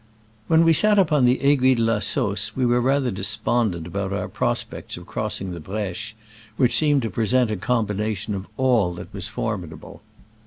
When we sat upon the Aiguille de la Sausse we were rather despondent about our prospects of crossing the Breche, which seemed to present a combination of all that was formidable.